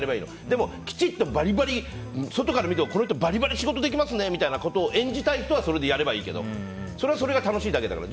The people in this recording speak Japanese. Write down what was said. でも、きちっとバリバリ外から見てもこの人バリバリ仕事できますねみたいな演じたい人はそれでやればいいけどそれは、それが楽しいだけだから。